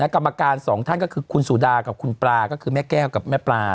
กรรมการสองท่านก็คือคุณสุดากับคุณปลาก็คือแม่แก้วกับแม่ปลา